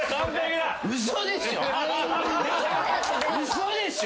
嘘でしょ！？